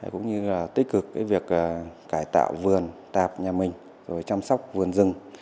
cũng như là tích cực cái việc cải tạo vườn tạp nhà mình rồi chăm sóc vườn rừng